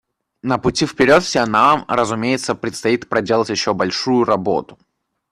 На пути вперед всем нам, разумеется, предстоит проделать еще большую работу.